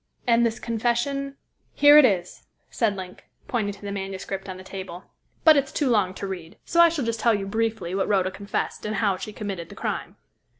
"And this confession " "Here it is," said Link, pointing to the manuscript on the table; "but it is too long to read, so I shall just tell you briefly what Rhoda confessed, and how she committed the crime."